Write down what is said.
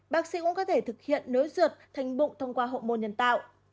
bác sĩ cũng có thể thực hiện nối ruột thành bụng thông qua hộ mô nhân tạo